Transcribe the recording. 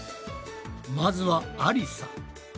まずはありさ。